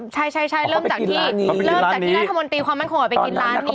ใช่เริ่มจากที่รัฐมนตรีความมั่นคงเขาไปกินร้านนี้